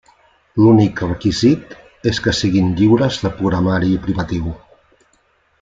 L'únic requisit és que siguin lliures de programari privatiu.